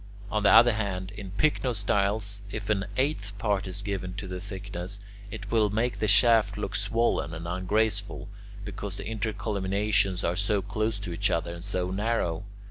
On the other hand, in pycnostyles, if an eighth part is given to the thickness, it will make the shaft look swollen and ungraceful, because the intercolumniations are so close to each other and so narrow.